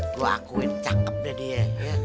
gue akuin cakep deh dia